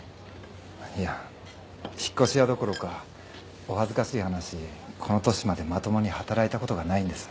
いや引っ越し屋どころかお恥ずかしい話この年までまともに働いたことがないんです。